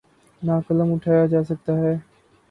نہ قلم اٹھایا جا سکتا ہے۔